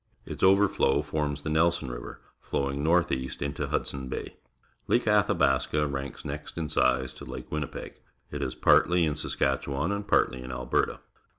Its overflow forms the Nelson River, flowing n orth east into Hudson Bay. Lake Atliabaska ranks next in size to Lake Winnipeg. It is partly in Saskatchewan and partly in Alberta.